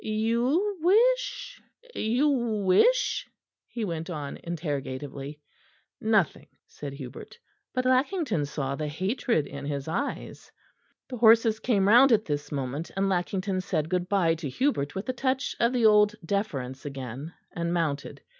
You wish, you wish ?" he went on interrogatively. "Nothing," said Hubert; but Lackington saw the hatred in his eyes. The horses came round at this moment; and Lackington said good bye to Hubert with a touch of the old deference again, and mounted.